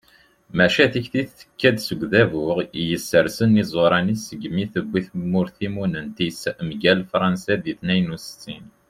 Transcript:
maca tikti tekka-d seg udabu yessersen iẓuṛan-is segmi tewwi tmurt timunent-is mgal fṛansa di tniyen u settin